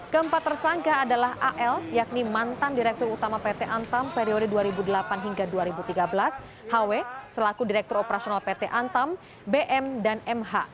keempat tersangka adalah al yakni mantan direktur utama pt antam periode dua ribu delapan hingga dua ribu tiga belas hw selaku direktur operasional pt antam bm dan mh